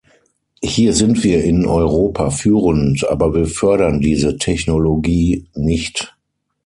Hier sind wir in Europa führend, aber wir fördern diese Technologie nicht.